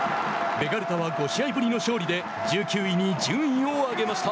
ベガルタは５試合ぶりの勝利で１９位に順位を上げました。